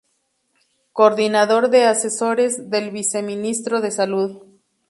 Coordinador de Asesores del Viceministro de Salud.